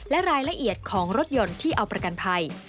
และรายละเอียดของรถยนต์ที่เอาประกันภัย